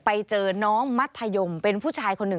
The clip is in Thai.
ไปเจอน้องมัธยมเป็นผู้ชายคนหนึ่ง